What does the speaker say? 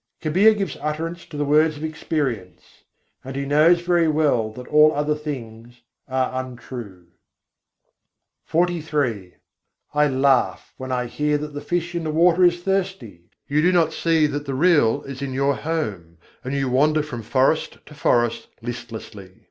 Kabîr gives utterance to the words of experience; and he knows very well that all other things are untrue. XLIII I. 82. pânî vic mîn piyâsî I laugh when I hear that the fish in the water is thirsty: You do not see that the Real is in your home, and you wander from forest to forest listlessly!